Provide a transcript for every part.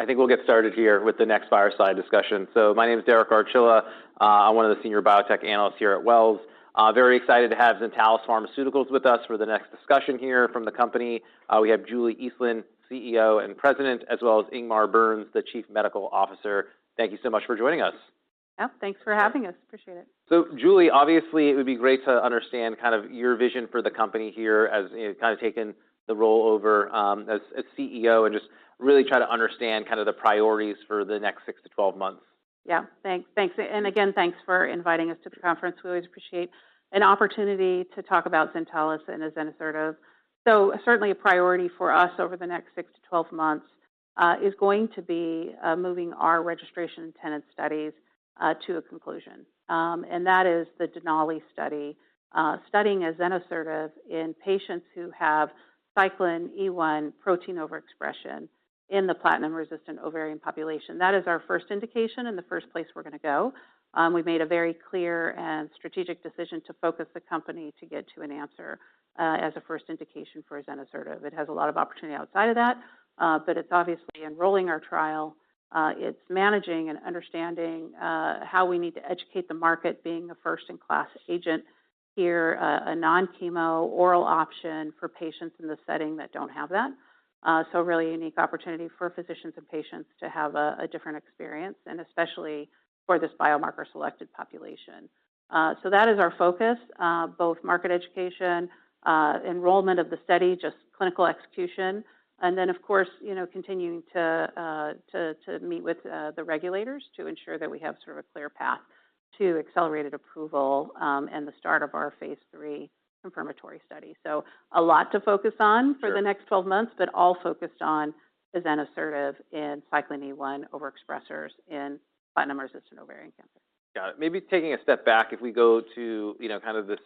... I think we'll get started here with the next Fireside discussion. So my name is Derek Archila. I'm one of the senior biotech analysts here at Wells. Very excited to have Zentalis Pharmaceuticals with us for the next discussion here from the company. We have Julie Eastland, CEO and President, as well as Ingmar Bruns, the Chief Medical Officer. Thank you so much for joining us. Yeah, thanks for having us. Appreciate it. So, Julie, obviously, it would be great to understand kind of your vision for the company here as you've kind of taken the role over, as CEO, and just really try to understand kind of the priorities for the next 6 - 12 months. Yeah. Thanks. Thanks. And again, thanks for inviting us to the conference. We always appreciate an opportunity to talk about Zentalis and azenasertib. So certainly a priority for us over the next six to 12 months is going to be moving our registration-directed studies to a conclusion. And that is the DENALI study studying azenasertib in patients who have cyclin E1 protein overexpression in the platinum-resistant ovarian population. That is our first indication and the first place we're going to go. We've made a very clear and strategic decision to focus the company to get to an answer as a first indication for azenasertib. It has a lot of opportunity outside of that, but it's obviously enrolling our trial. It's managing and understanding how we need to educate the market, being a first-in-class agent here, a non-chemo oral option for patients in this setting that don't have that. So a really unique opportunity for physicians and patients to have a different experience, and especially for this biomarker selected population. So that is our focus, both market education, enrollment of the study, just clinical execution, and then, of course, you know, continuing to meet with the regulators to ensure that we have sort of a clear path to accelerated approval, and the start of our phase III confirmatory study. So a lot to focus on- Sure... for the next 12 months, but all focused on azenasertib and cyclin E1 overexpressers in platinum-resistant ovarian cancer. Got it. Maybe taking a step back, if we go to, you know, kind of this,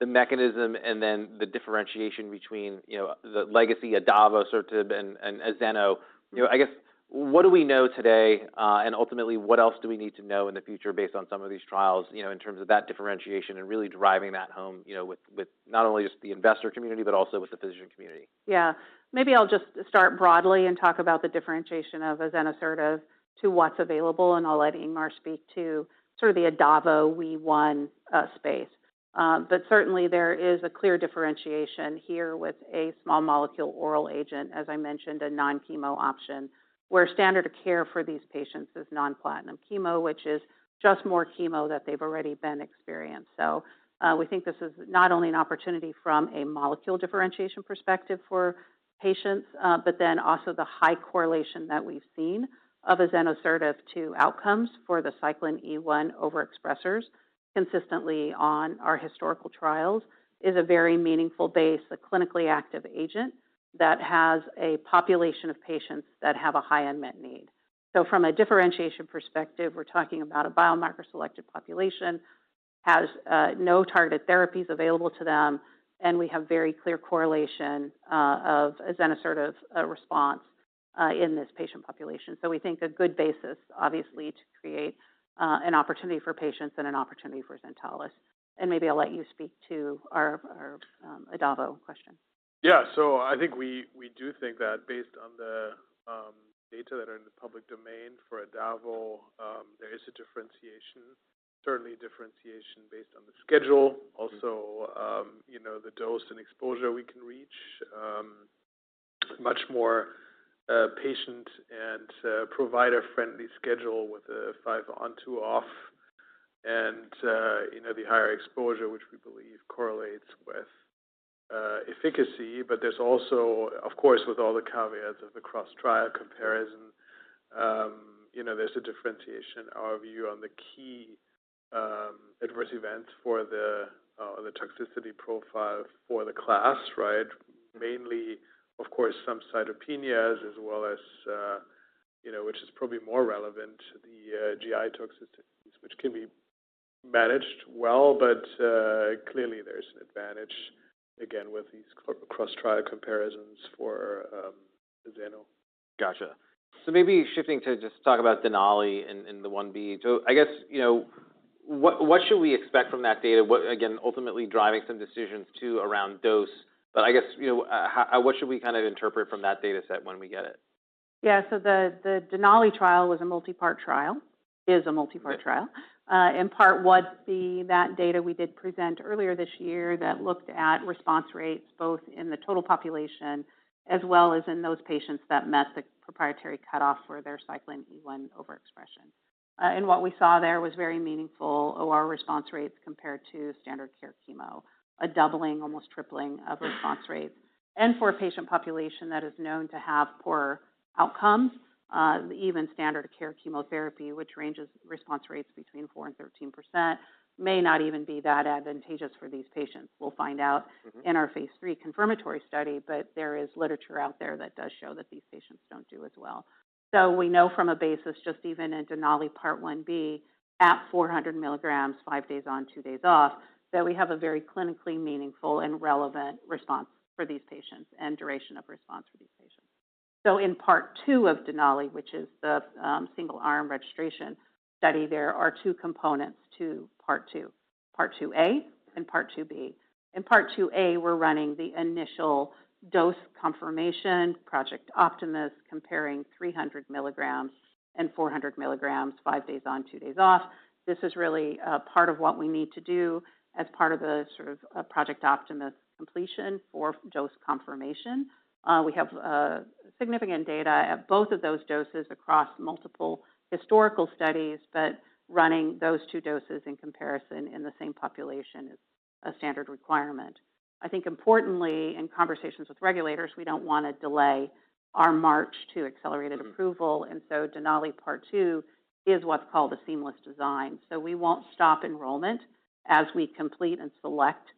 the mechanism and then the differentiation between, you know, the legacy adavosertib and, and azeno. You know, I guess, what do we know today, and ultimately, what else do we need to know in the future based on some of these trials, you know, in terms of that differentiation and really driving that home, you know, with, with not only just the investor community but also with the physician community? Yeah. Maybe I'll just start broadly and talk about the differentiation of azenasertib to what's available, and I'll let Ingmar speak to sort of the adavosertib/WEE1 space. But certainly there is a clear differentiation here with a small molecule oral agent, as I mentioned, a non-chemo option, where standard of care for these patients is non-platinum chemo, which is just more chemo that they've already experienced. So, we think this is not only an opportunity from a molecule differentiation perspective for patients, but then also the high correlation that we've seen of azenasertib to outcomes for the cyclin E1 over expressers consistently on our historical trials is a very meaningful basis, a clinically active agent that has a population of patients that have a high unmet need. So from a differentiation perspective, we're talking about a biomarker selected population, has no targeted therapies available to them, and we have very clear correlation of azenasertib response in this patient population. So we think a good basis, obviously, to create an opportunity for patients and an opportunity for Zentalis. And maybe I'll let you speak to our adavosertib question. Yeah. So I think we do think that based on the data that are in the public domain for adavosertib, there is a differentiation, certainly a differentiation based on the schedule, also, you know, the dose and exposure we can reach. Much more patient and provider-friendly schedule with a five on, two off, and you know, the higher exposure, which we believe correlates with efficacy. But there's also, of course, with all the caveats of the cross-trial comparison, you know, there's a differentiation, our view on the key adverse events for the toxicity profile for the class, right? Mainly, of course, some cytopenias, as well as you know, which is probably more relevant, the GI toxicities, which can be managed well. But, clearly there's an advantage, again, with these cross-trial comparisons for azeno. Gotcha. So maybe shifting to just talk about DENALI and the 1B. So I guess, you know, what should we expect from that data? What, again, ultimately driving some decisions, too, around dose. But I guess, you know, how, what should we kind of interpret from that data set when we get it? Yeah. So the DENALI trial was a multi-part trial, is a multi-part trial. Right. In part one B, that data we did present earlier this year that looked at response rates, both in the total population as well as in those patients that met the proprietary cutoff for their cyclin E1 overexpression, and what we saw there was very meaningful ORR compared to standard of care chemo, a doubling, almost tripling of response rates, for a patient population that is known to have poorer outcomes, even standard of care chemotherapy, which ranges response rates between 4% and 13%, may not even be that advantageous for these patients. We'll find out- Mm-hmm... in our phase 3 confirmatory study, but there is literature out there that does show that these patients don't do as well. So we know from a basis, just even in DENALI part 1B, at four hundred milligrams, five days on, two days off, that we have a very clinically meaningful and relevant response for these patients and duration of response for these patients. So in Part 2 of DENALI, which is the single arm registration study, there are two components to Part 2. Part 2A and part 2B. In part 2A, we're running the initial dose confirmation, Project Optimus, comparing three hundred milligrams and four hundred milligrams, five days on, two days off. This is really part of what we need to do as part of the sort of Project Optimus completion for dose confirmation. We have significant data at both of those doses across multiple historical studies, but running those two doses in comparison in the same population is a standard requirement. I think importantly, in conversations with regulators, we don't want to delay our march to accelerated- Mm. -approval, and so DENALI Part 2 is what's called a seamless design, so we won't stop enrollment as we complete and select,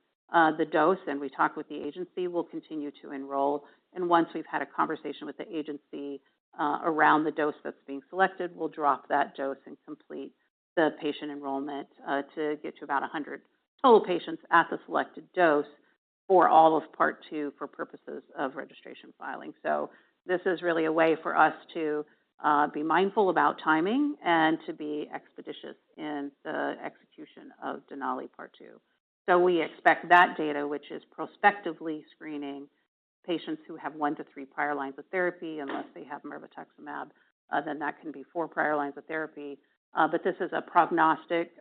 the dose, and we talk with the agency. We'll continue to enroll, and once we've had a conversation with the agency, around the dose that's being selected, we'll drop that dose and complete the patient enrollment, to get to about a hundred total patients at the selected dose for all of part 2 for purposes of registration filing, so this is really a way for us to, be mindful about timing and to be expeditious in the execution of DENALI Part 2, so we expect that data, which is prospectively screening patients who have one to three prior lines of therapy, unless they have mirvetuximab, then that can be four prior lines of therapy. But this is a prognostic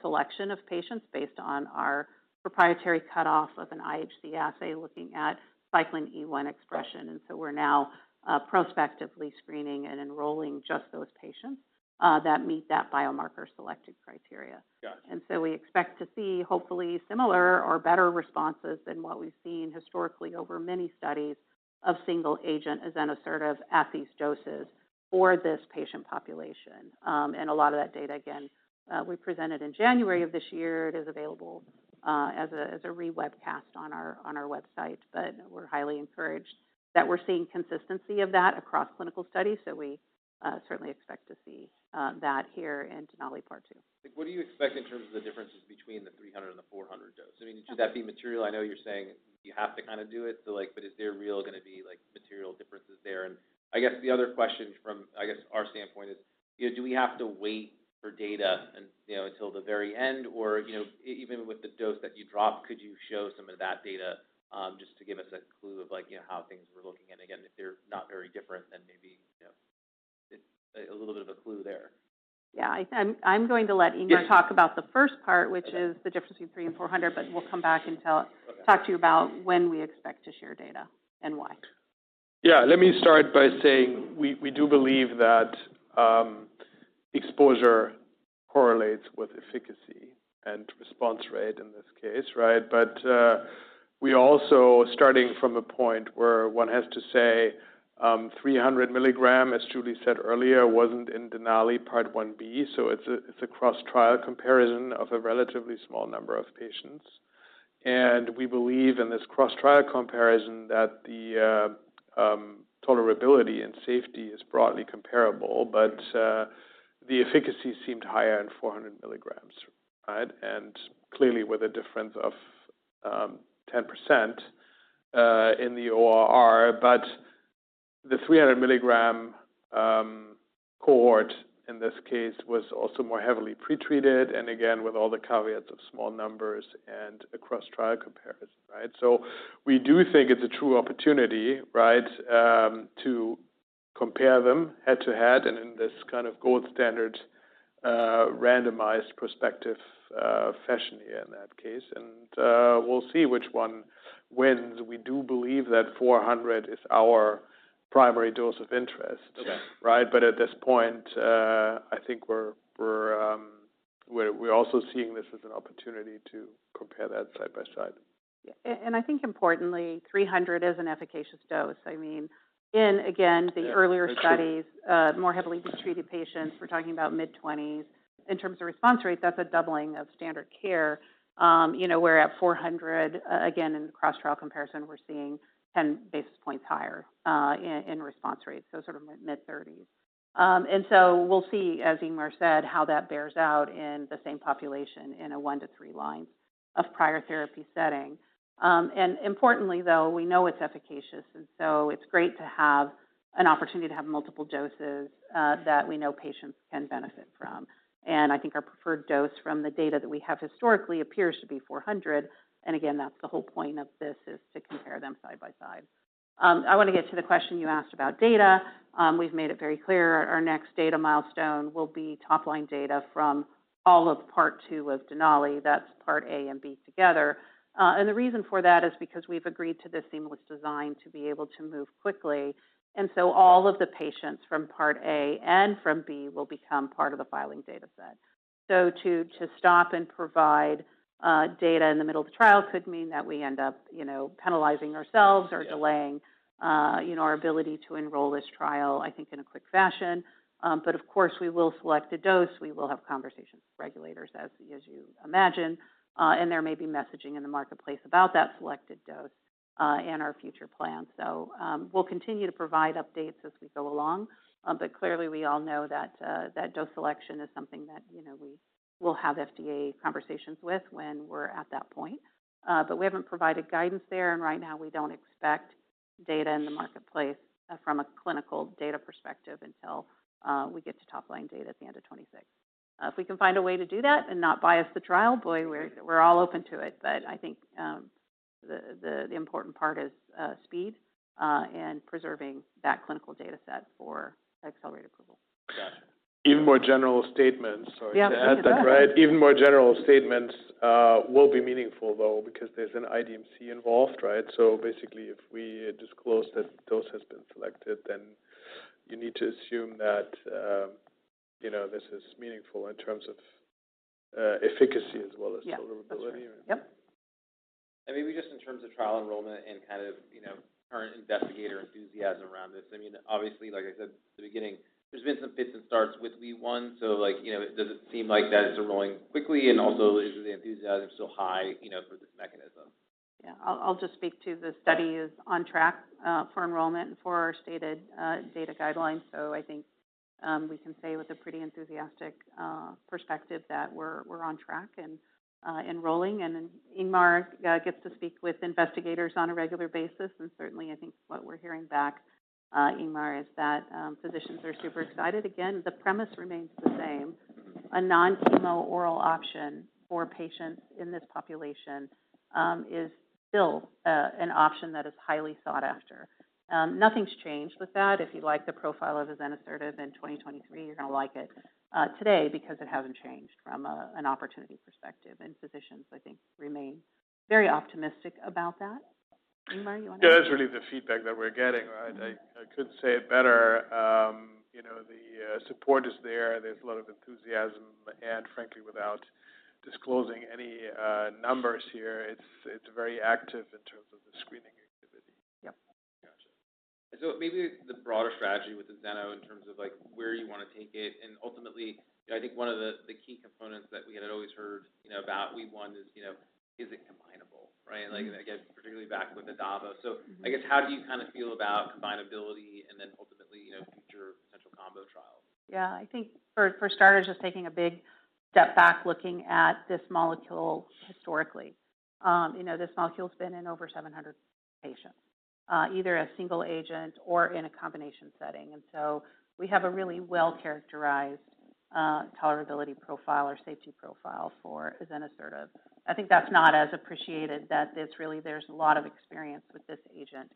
selection of patients based on our proprietary cutoff of an IHC assay looking at cyclin E1 expression. And so we're now prospectively screening and enrolling just those patients that meet that biomarker-selected criteria. Gotcha. We expect to see hopefully similar or better responses than what we've seen historically over many studies of single-agent azenasertib at these doses for this patient population. And a lot of that data, again, we presented in January of this year. It is available as a rebroadcast on our website, but we're highly encouraged that we're seeing consistency of that across clinical studies. We certainly expect to see that here in DENALI Part 2. What do you expect in terms of the differences between the 300 and the 400 dose? I mean- Sure. Would that be material? I know you're saying you have to kind of do it, so, like, but is there really gonna be, like, material differences there? And I guess the other question from, I guess, our standpoint is, you know, do we have to wait for data, and, you know, until the very end, or, you know, even with the dose that you drop, could you show some of that data just to give us a clue of, like, you know, how things were looking? And again, if they're not very different, then maybe, you know, a little bit of a clue there. Yeah. I'm going to let Ingmar- Yes... talk about the first part. Okay which is the difference between three and four hundred, but we'll come back and tell- Okay talk to you about when we expect to share data and why. Yeah. Let me start by saying we, we do believe that, exposure correlates with efficacy and response rate in this case, right? But, we also starting from a point where one has to say, 300 milligram, as Julie said earlier, wasn't in DENALI Part 1B, so it's a, it's a cross-trial comparison of a relatively small number of patients. And we believe in this cross-trial comparison that the, tolerability and safety is broadly comparable, but, the efficacy seemed higher in 400 milligrams, right? And clearly, with a difference of, 10%, in the ORR. But the 300 milligram, cohort, in this case, was also more heavily pretreated, and again, with all the caveats of small numbers and a cross-trial comparison, right? So we do think it's a true opportunity, right, to compare them head-to-head and in this kind of gold standard, randomized, prospective, fashion here in that case. And we'll see which one wins. We do believe that 400 is our primary dose of interest. Okay. Right? But at this point, I think we're also seeing this as an opportunity to compare that side by side. Yeah. And I think importantly, three hundred is an efficacious dose. I mean, in again, the earlier- Yeah, that's true.... studies, more heavily pretreated patients, we're talking about mid-twenties. In terms of response rates, that's a doubling of standard care. You know, we're at 400, again, in the cross-trial comparison, we're seeing ten basis points higher in response rates, so sort of mid-thirties. And so we'll see, as Ingmar said, how that bears out in the same population in a one to three line of prior therapy setting. And importantly, though, we know it's efficacious, and so it's great to have an opportunity to have multiple doses that we know patients can benefit from. I think our preferred dose from the data that we have historically appears to be 400, and again, that's the whole point of this is to compare them side by side. I want to get to the question you asked about data. We've made it very clear our next data milestone will be top-line data from all of Part 2 of DENALI, that's part A and B together. And the reason for that is because we've agreed to this seamless design to be able to move quickly. And so all of the patients from part A and from B will become part of the filing dataset. So to stop and provide data in the middle of the trial could mean that we end up, you know, penalizing ourselves- Yes... or delaying, you know, our ability to enroll this trial, I think, in a quick fashion. But of course, we will select a dose. We will have conversations with regulators, as you imagine, and there may be messaging in the marketplace about that selected dose, and our future plans. So, we'll continue to provide updates as we go along. But clearly, we all know that that dose selection is something that, you know, we will have FDA conversations with when we're at that point. But we haven't provided guidance there, and right now we don't expect data in the marketplace from a clinical data perspective until we get to top-line data at the end of 2026. If we can find a way to do that and not bias the trial, boy, we're all open to it. But I think, the important part is, speed, and preserving that clinical data set for accelerated approval. Gotcha. Even more general statements- Yeah. Sorry to add that, right? Even more general statements will be meaningful, though, because there's an IDMC involved, right? So basically, if we disclose that dose has been selected, then you need to assume that, you know, this is meaningful in terms of efficacy as well as- Yeah. Tolerability. That's right. Yep. Maybe just in terms of trial enrollment and kind of, you know, current investigator enthusiasm around this, I mean, obviously, like I said at the beginning, there's been some fits and starts with WEE1. Like, you know, does it seem like that it's enrolling quickly? And also, is the enthusiasm still high, you know, for this mechanism? Yeah. I'll just speak to the study is on track for enrollment and for our stated data guidelines. So I think we can say with a pretty enthusiastic perspective that we're on track and enrolling. And then Ingmar gets to speak with investigators on a regular basis, and certainly, I think what we're hearing back, Ingmar, is that physicians are super excited. Again, the premise remains the same. A non-chemo oral option for patients in this population is still an option that is highly sought after. Nothing's changed with that. If you like the profile of azenasertib in 2023, you're going to like it today because it hasn't changed from an opportunity perspective, and physicians, I think, remain very optimistic about that. Ingmar, you want to- Yeah, that's really the feedback that we're getting, right? I couldn't say it better. You know, the support is there. There's a lot of enthusiasm, and frankly, without disclosing any numbers here, it's very active in terms of the screening activity. Yep. Gotcha. So maybe the broader strategy with the azeno in terms of, like, where you want to take it. And ultimately, I think one of the key components that we had always heard, you know, about WEE1 is, you know, is it combinable? Right. Mm-hmm. Like, again, particularly back with the adavosertib. Mm-hmm. So I guess, how do you kind of feel about combinability and then ultimately, you know, future Zentalis combo trials? Yeah. I think for starters, just taking a big step back, looking at this molecule historically. You know, this molecule's been in over 700 patients, either a single agent or in a combination setting, and so we have a really well-characterized tolerability profile or safety profile for azenasertib. I think that's not as appreciated, that it's really there's a lot of experience with this agent.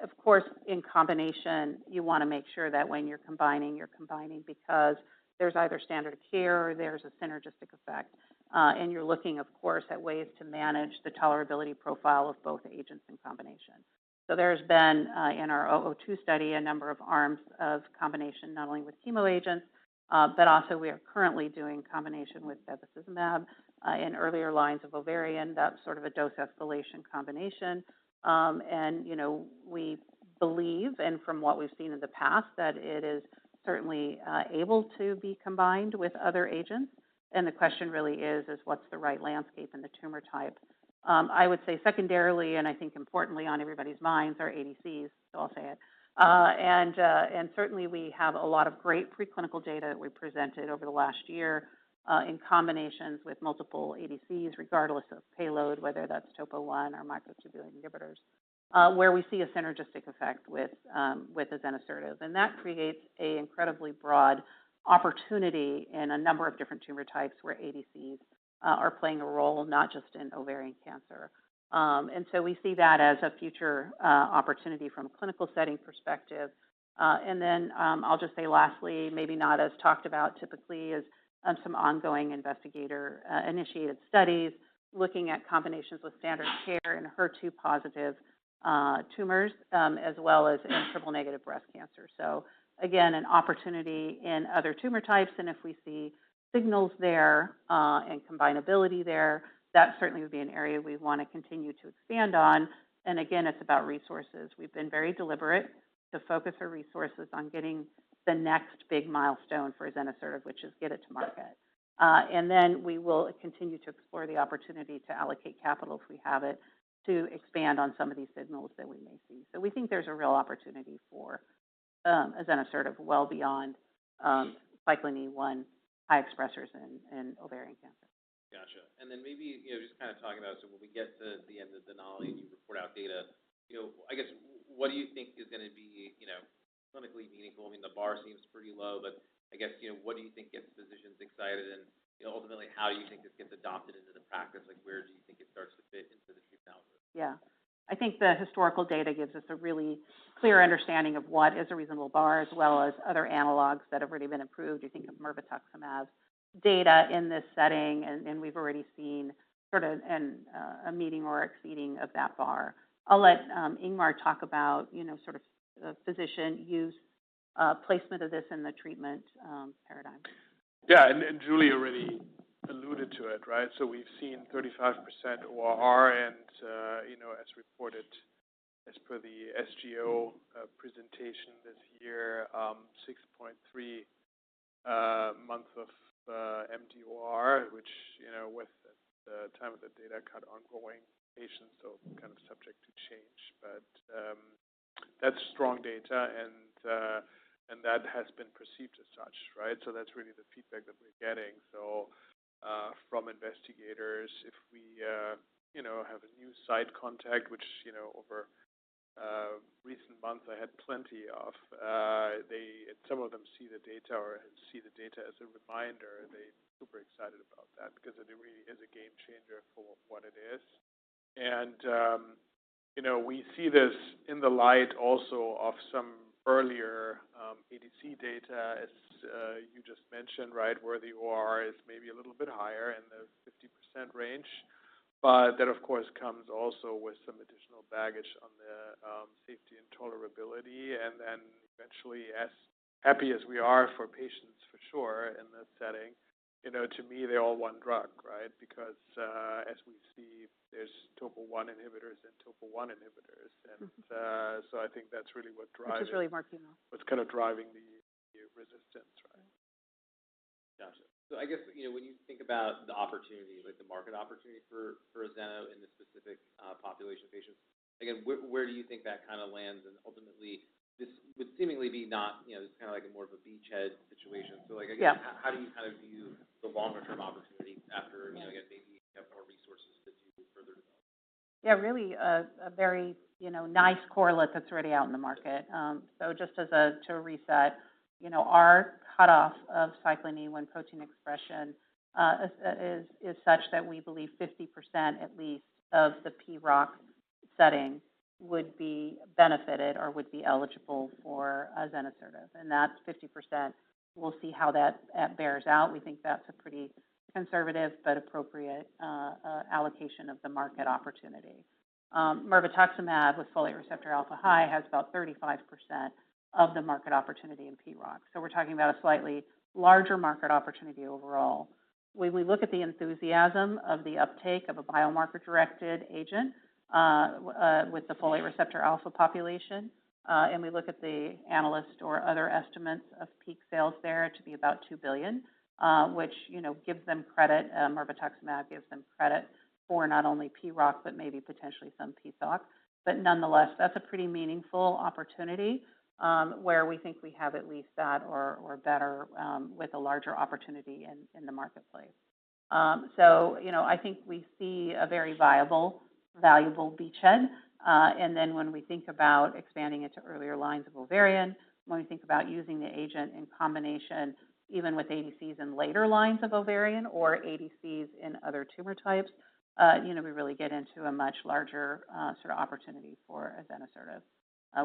Of course, in combination, you want to make sure that when you're combining, you're combining because there's either standard of care or there's a synergistic effect, and you're looking, of course, at ways to manage the tolerability profile of both agents in combination. So there's been in our 002 study, a number of arms of combination, not only with chemo agents, but also we are currently doing combination with bevacizumab in earlier lines of ovarian. That's sort of a dose escalation combination. And, you know, we believe, and from what we've seen in the past, that it is certainly able to be combined with other agents. And the question really is: is what's the right landscape and the tumor type? I would say secondarily, and I think importantly on everybody's minds, are ADCs, so I'll say it. And certainly, we have a lot of great preclinical data that we presented over the last year in combinations with multiple ADCs, regardless of payload, whether that's TOPO1 or microtubule inhibitors, where we see a synergistic effect with with azenasertib. And that creates a incredibly broad opportunity in a number of different tumor types where ADCs are playing a role, not just in ovarian cancer. And so we see that as a future opportunity from a clinical setting perspective. And then, I'll just say lastly, maybe not as talked about typically, is on some ongoing investigator-initiated studies, looking at combinations with standard care in HER2-positive tumors, as well as in triple-negative breast cancer. So again, an opportunity in other tumor types, and if we see signals there, and combinability there, that certainly would be an area we want to continue to expand on. And again, it's about resources. We've been very deliberate to focus our resources on getting the next big milestone for azenasertib, which is get it to market. And then we will continue to explore the opportunity to allocate capital, if we have it, to expand on some of these signals that we may see. We think there's a real opportunity for azenasertib, well beyond cyclin E1 high expressers in ovarian cancer. Gotcha. And then maybe, you know, just kind of talking about, so when we get to the end of Denali, and you report out data, you know, I guess, what do you think is going to be, you know, clinically meaningful? I mean, the bar seems pretty low, but I guess, you know, what do you think gets physicians excited, and ultimately, how do you think this gets adopted into the practice? Like, where do you think it starts to fit into the treatment algorithm? Yeah. I think the historical data gives us a really clear understanding of what is a reasonable bar, as well as other analogues that have already been approved. You think of mirvetuximab data in this setting, and we've already seen sort of a meeting or exceeding of that bar. I'll let Ingmar talk about, you know, sort of the physician use, placement of this in the treatment paradigm. Yeah, and, and Julie already alluded to it, right? So we've seen 35% ORR and, you know, as reported as per the SGO presentation this year, 6.3 months of MDOR, which, you know, with the time of the data cut ongoing patients, so kind of subject to change. But that's strong data, and that has been perceived as such, right? So that's really the feedback that we're getting. So from investigators, if we, you know, have a new site contact, which, you know, over recent months, I had plenty of, some of them see the data or see the data as a reminder, and they're super excited about that because it really is a game changer for what it is. And, you know, we see this in the light also of some earlier, ADC data, as you just mentioned, right? Where the OR is maybe a little bit higher in the 50% range. But that, of course, comes also with some additional baggage on the, safety and tolerability, and then eventually, as happy as we are for patients, for sure, in that setting, you know, to me, they're all one drug, right? Because, as we see, there's TOPO1 inhibitors and TOPO1 inhibitors. Mm-hmm. I think that's really what drives- Which is really more, you know. What's kind of driving the resistance, right? Gotcha. So I guess, you know, when you think about the opportunity, like the market opportunity for Zentalis in this specific population of patients, again, where do you think that kind of lands? And ultimately, this would seemingly be not, you know, this is kind of like more of a beachhead situation. Yeah. So, like, again, how do you kind of view the longer-term opportunity after- Yeah... you know, again, maybe you have more resources to further develop? Yeah, really a very, you know, nice correlate that's already out in the market. So just to reset, you know, our cutoff of cyclin E when protein expression is such that we believe 50%, at least, of the PROC setting would be benefited or would be eligible for azenasertib, and that's 50%. We'll see how that bears out. We think that's a pretty conservative but appropriate allocation of the market opportunity. Mirvetuximab with folate receptor alpha high has about 35% of the market opportunity in PROC. So we're talking about a slightly larger market opportunity overall. When we look at the enthusiasm of the uptake of a biomarker-directed agent with the folate receptor alpha population, and we look at the analyst or other estimates of peak sales there to be about $2 billion, which, you know, gives them credit, mirvetuximab gives them credit for not only PROC, but maybe potentially some PSOC. But nonetheless, that's a pretty meaningful opportunity, where we think we have at least that or better, with a larger opportunity in the marketplace. So, you know, I think we see a very viable, valuable beachhead. And then when we think about expanding it to earlier lines of ovarian, when we think about using the agent in combination, even with ADCs in later lines of ovarian or ADCs in other tumor types, you know, we really get into a much larger, sort of opportunity for azenasertib.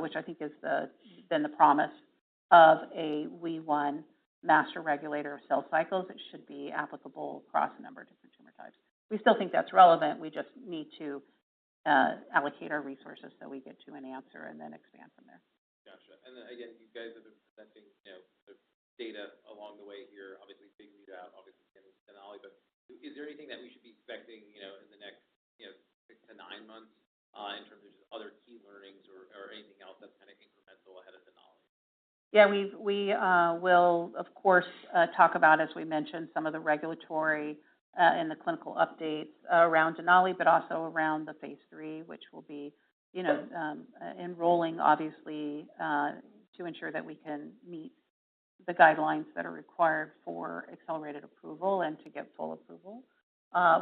Which I think has been the promise of a WEE1 master regulator of cell cycles. It should be applicable across a number of different tumor types. We still think that's relevant. We just need to allocate our resources so we get to an answer and then expand from there. Gotcha. And again, you guys have been presenting, you know, the data along the way here, obviously, big read out, obviously, DENALI, but is there anything that we should be expecting, you know, in the next, you know, six to nine months, in terms of just other key learnings or, or anything else that's kind of incremental ahead of DENALI? Yeah, we've we will, of course, talk about, as we mentioned, some of the regulatory and the clinical updates around DENALI, but also around the phase III, which will be, you know, enrolling, obviously, to ensure that we can meet the guidelines that are required for accelerated approval and to get full approval.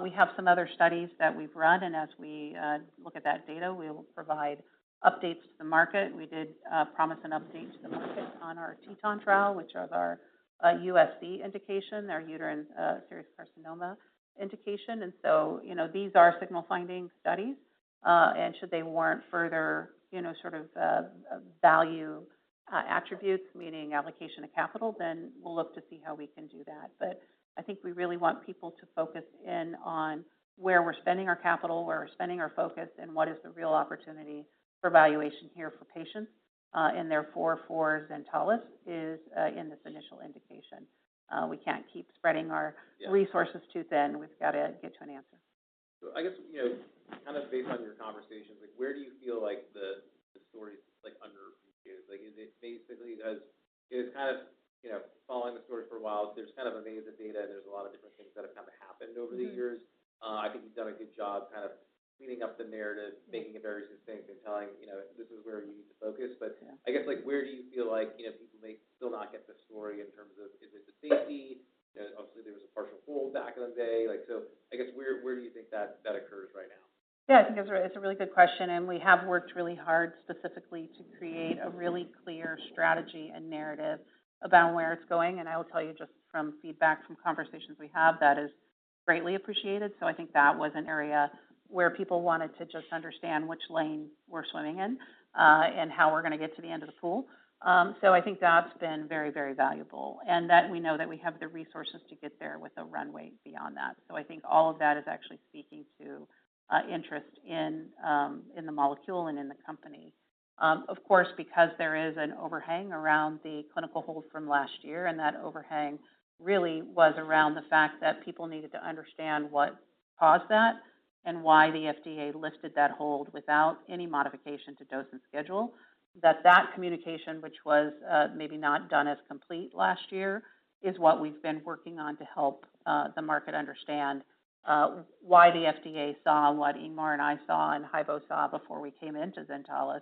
We have some other studies that we've run, and as we look at that data, we will provide updates to the market. We did promise an update to the market on our TETON trial, which are our USC indication, our uterine serous carcinoma indication. And so, you know, these are signal finding studies and should they warrant further, you know, sort of value attributes, meaning allocation of capital, then we'll look to see how we can do that. But I think we really want people to focus in on where we're spending our capital, where we're spending our focus, and what is the real opportunity for valuation here for patients. And therefore, for Zentalis is, in this initial indication. We can't keep spreading our- Yeah... resources too thin. We've got to get to an answer. So I guess, you know, kind of based on your conversations, like, where do you feel like the story is, like, underappreciated? Like, is it basically it's kind of, you know, following the story for a while, there's kind of a maze of data, there's a lot of different things that have kind of happened- Mm-hmm.... over the years. I think you've done a good job kind of cleaning up the narrative- Mm... making it very succinct and telling, you know, this is where we need to focus. Yeah. But I guess, like, where do you feel like, you know, people may still not get the story in terms of, is it the safety? Obviously, there was a partial hold back in the day. Like, so I guess where you think that occurs right now? Yeah, I think it's a really good question, and we have worked really hard specifically to create a really clear strategy and narrative about where it's going, and I will tell you just from feedback, from conversations we have, that is greatly appreciated, so I think that was an area where people wanted to just understand which lane we're swimming in, and how we're going to get to the end of the pool, so I think that's been very, very valuable, and that we know that we have the resources to get there with a runway beyond that, so I think all of that is actually speaking to interest in the molecule and in the company. Of course, because there is an overhang around the clinical hold from last year, and that overhang really was around the fact that people needed to understand what caused that and why the FDA lifted that hold without any modification to dose and schedule. That, that communication, which was, maybe not done as complete last year, is what we've been working on to help the market understand why the FDA saw what Ingmar and I saw and Haibo saw before we came into Zentalis.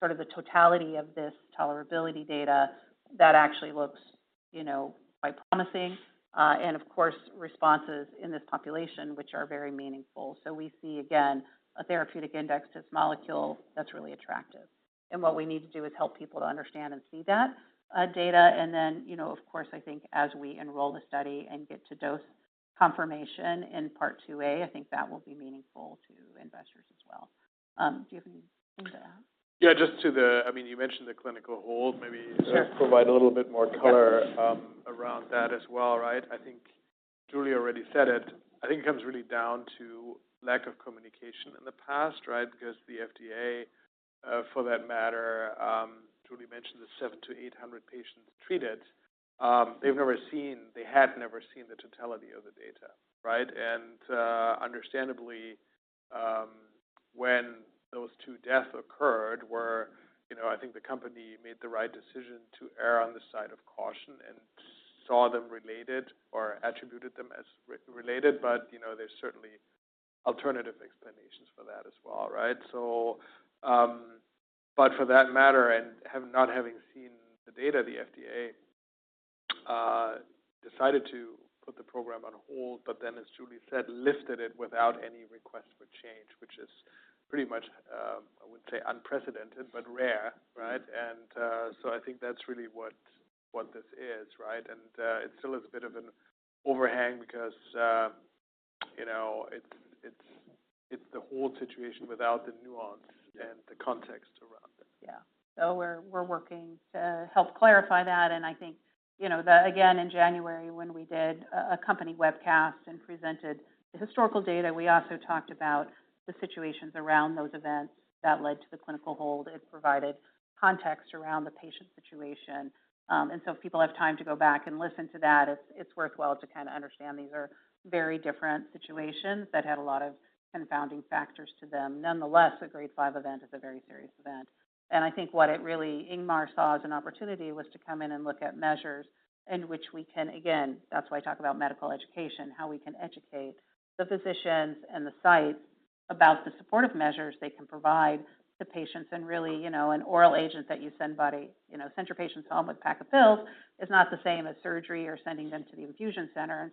Sort of the totality of this tolerability data that actually looks you know, quite promising. And of course, responses in this population, which are very meaningful. So we see, again, a therapeutic index, this molecule that's really attractive. And what we need to do is help people to understand and see that data. And then, you know, of course, I think as we enroll the study and get to dose confirmation in Part IIa, I think that will be meaningful to investors as well. Do you have anything to add? Yeah, just to the, I mean, you mentioned the clinical hold, maybe. Sure Provide a little bit more color around that as well, right? I think Julie already said it. I think it comes really down to lack of communication in the past, right? Because the FDA, for that matter, Julie mentioned the seven to eight hundred patients treated. They had never seen the totality of the data, right? And, understandably, when those two deaths occurred, where, you know, I think the company made the right decision to err on the side of caution and saw them related or attributed them as related. But, you know, there's certainly alternative explanations for that as well, right? But for that matter, not having seen the data, the FDA decided to put the program on hold, but then, as Julie said, lifted it without any request for change, which is pretty much, I would say unprecedented, but rare, right? And so I think that's really what this is, right? And it still is a bit of an overhang because, you know, it's the whole situation without the nuance and the context around it. Yeah. So we're working to help clarify that, and I think, you know, the, again, in January, when we did a company webcast and presented the historical data, we also talked about the situations around those events that led to the clinical hold. It provided context around the patient situation. And so if people have time to go back and listen to that, it's worthwhile to kind of understand these are very different situations that had a lot of confounding factors to them. Nonetheless, a Grade 5 event is a very serious event. And I think what it really, Ingmar saw as an opportunity was to come in and look at measures in which we can again, that's why I talk about medical education, how we can educate the physicians and the sites about the supportive measures they can provide to patients. Really, you know, an oral agent that you send home, you know, send your patients home with a pack of pills, is not the same as surgery or sending them to the infusion center.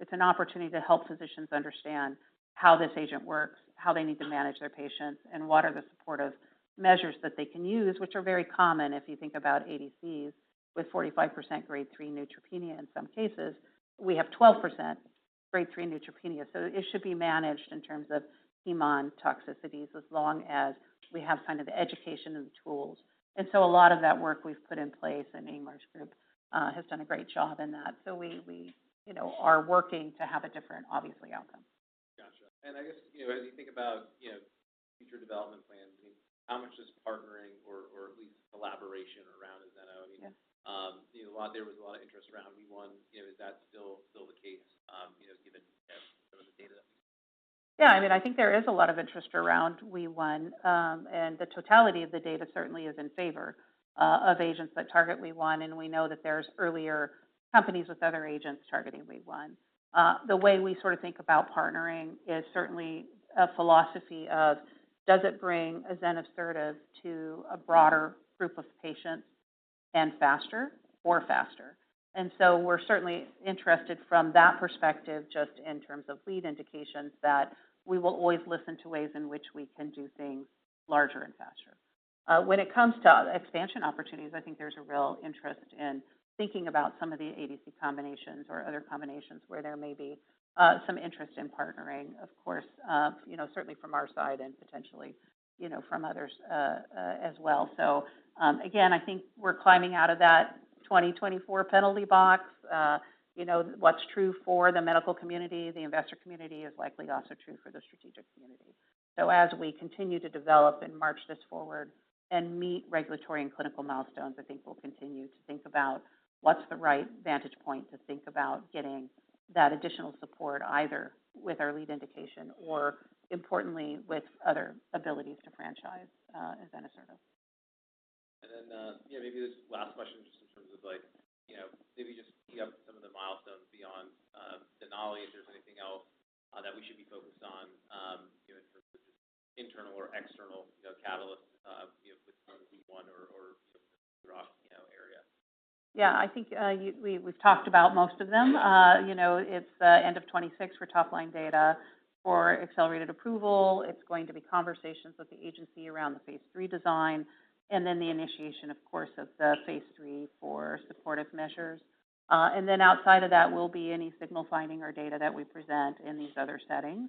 It's an opportunity to help physicians understand how this agent works, how they need to manage their patients, and what are the supportive measures that they can use, which are very common if you think about ADCs, with 45% Grade 3 neutropenia in some cases. We have 12% Grade 3 neutropenia. It should be managed in terms of hematotoxicities, as long as we have kind of the education and the tools. A lot of that work we've put in place, and Ingmar's group has done a great job in that. So we, you know, are working to have a different, obviously, outcome. Gotcha. And I guess, you know, as you think about, you know, future development plans, I mean, how much is partnering or, or at least collaboration around azenasertib? Yeah. You know, there was a lot of interest around WEE1. You know, is that still the case, you know, given some of the data? Yeah, I mean, I think there is a lot of interest around WEE1, and the totality of the data certainly is in favor of agents that target WEE1, and we know that there's earlier companies with other agents targeting WEE1. The way we sort of think about partnering is certainly a philosophy of does it bring as an asset to a broader group of patients and faster or faster? And so we're certainly interested from that perspective, just in terms of lead indications, that we will always listen to ways in which we can do things larger and faster. When it comes to expansion opportunities, I think there's a real interest in thinking about some of the ADC combinations or other combinations where there may be some interest in partnering, of course, you know, certainly from our side and potentially, you know, from others, as well. So, again, I think we're climbing out of that 2024 penalty box. You know, what's true for the medical community, the investor community, is likely also true for the strategic community. So as we continue to develop and march this forward and meet regulatory and clinical milestones, I think we'll continue to think about what's the right vantage point to think about getting that additional support, either with our lead indication or importantly, with other abilities to franchise, as an asset. Maybe this last question, just in terms of like, you know, maybe just tee up some of the milestones beyond Denali. If there's anything else that we should be focused on, you know, in terms of just internal or external, you know, catalyst, you know, with WEE1 or azenosertib. Yeah, I think, you've talked about most of them. You know, it's the end of 2026 for top-line data for accelerated approval. It's going to be conversations with the agency around the phase III design and then the initiation, of course, of the phase III for supportive measures. And then outside of that will be any signal finding or data that we present in these other settings,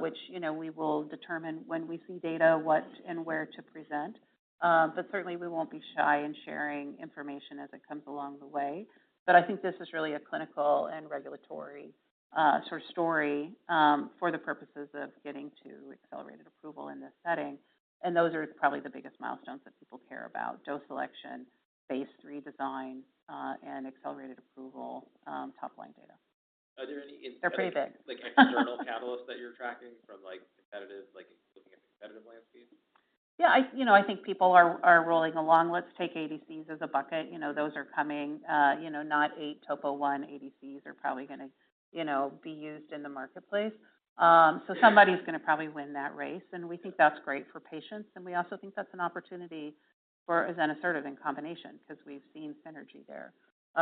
which, you know, we will determine when we see data, what and where to present. But certainly, we won't be shy in sharing information as it comes along the way. But I think this is really a clinical and regulatory, sort of story, for the purposes of getting to accelerated approval in this setting. Those are probably the biggest milestones that people care about: dose selection, phase III design, and accelerated approval, top-line data. Are there any- They're pretty big. Like, external catalysts that you're tracking from, like, competitive, like looking at competitive landscape? Yeah, you know, I think people are rolling along. Let's take ADCs as a bucket. You know, those are coming, you know, note, TOPO1 ADCs are probably gonna be used in the marketplace. So somebody's gonna probably win that race, and we think that's great for patients, and we also think that's an opportunity for azenasertib in combination, because we've seen synergy there.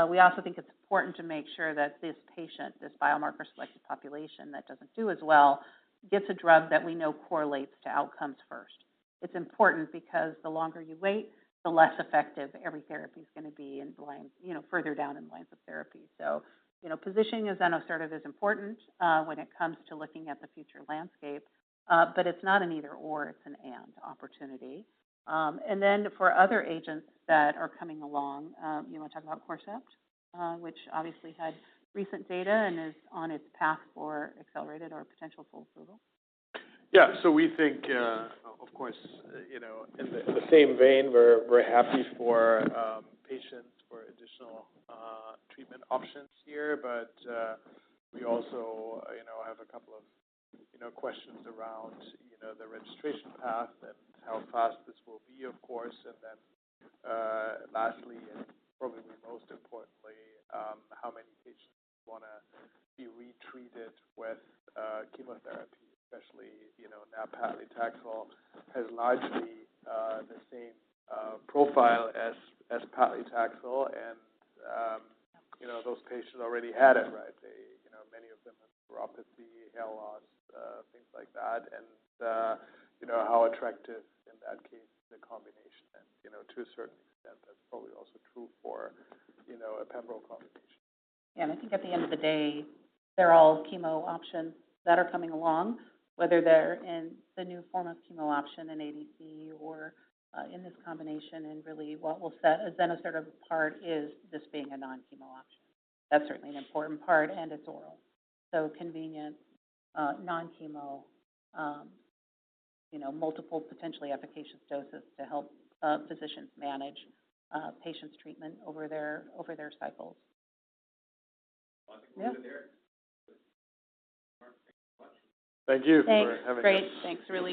We also think it's important to make sure that this patient, this biomarker-selected population that doesn't do as well, gets a drug that we know correlates to outcomes first. It's important because the longer you wait, the less effective every therapy is going to be in the line, you know, further down in the lines of therapy. So, you know, positioning azenasertib is important when it comes to looking at the future landscape. But it's not an either/or, it's an and opportunity. And then for other agents that are coming along, you want to talk about Corcept, which obviously had recent data and is on its path for accelerated or potential full approval? Yeah. So we think, of course, you know, in the same vein, we're happy for patients, for additional treatment options here. But we also, you know, have a couple of questions around the registration path and how fast this will be, of course. And then, lastly, and probably most importantly, how many patients want to be retreated with chemotherapy, especially, you know, nab-paclitaxel has largely the same profile as paclitaxel, and those patients already had it, right? They, you know, many of them have neuropathy, hair loss, things like that. And, you know, how attractive, in that case, the combination, and, you know, to a certain extent, that's probably also true for a pembro combination. I think at the end of the day, they're all chemo options that are coming along, whether they're in the new form of chemo option in ADC or in this combination. Really, what will set azenosertib apart is this being a non-chemo option. That's certainly an important part, and it's oral, so convenient, non-chemo, you know, multiple potentially efficacious doses to help physicians manage patients' treatment over their cycles. I think we're good there. Thank you much. Thank you for having us. Thanks. Great. Thanks, really.